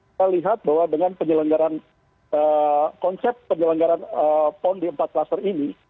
kita lihat bahwa dengan penyelenggaran konsep penyelenggaran pon di empat klaster ini